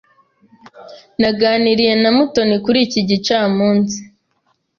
Naganiriye na Mutoni kuri iki gicamunsi.